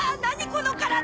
この体！